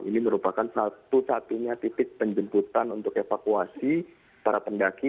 ini merupakan satu satunya titik penjemputan untuk evakuasi para pendaki